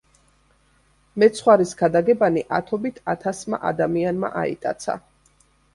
მეცხვარის ქადაგებანი ათობით ათასმა ადამიანმა აიტაცა.